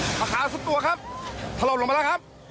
เฮ้ยบอกแล้วบอกแล้วอาคารสัตว์ตัวครับถล่มลงมาแล้วครับ